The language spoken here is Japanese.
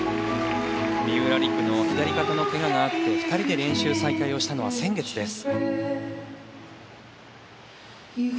三浦璃来の左肩の怪我があって２人で練習再開をしたのは先月です。